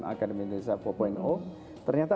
akademi desa empat ternyata